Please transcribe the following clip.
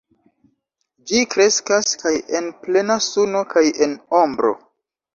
Ĝi kreskas kaj en plena suno kaj en ombro.